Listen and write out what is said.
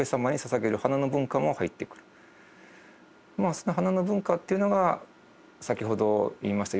その花の文化というのが先ほど言いました